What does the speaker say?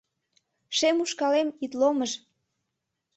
Шем ушкалем, ит ломыж